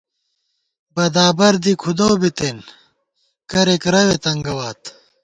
بدابر دی کُھدَؤ بِتېن ، کرېک رَوے تنگَوات